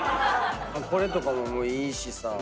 これとかもいいしさ。